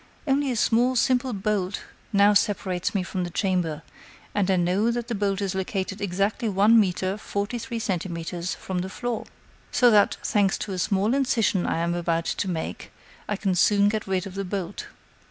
Only a small, simple bolt now separates me from the chamber, and I know that the bolt is located exactly one metre, forty three centimeters, from the floor. So that, thanks to a small incision I am about to make, I can soon get rid of the bolt."